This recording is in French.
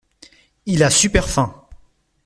Il a super faim.